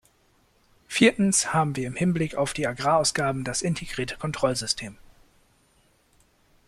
Viertens haben wir im Hinblick auf die Agrarausgaben das Integrierte Kontrollsystem.